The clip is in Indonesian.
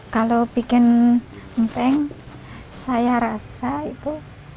kalau bikin empeng saya rasa itu